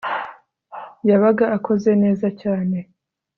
yabaga akoze neza cyane